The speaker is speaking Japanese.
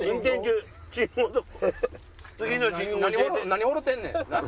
何笑うてんねん。